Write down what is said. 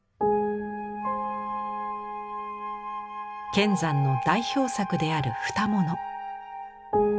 乾山の代表作である蓋物。